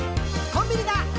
「コンビニだ！